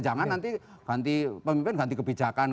jangan nanti ganti pemimpin ganti kebijakan